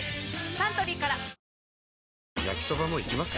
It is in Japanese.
サントリーから焼きソバもいきます？